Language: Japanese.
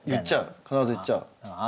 必ず言っちゃうの？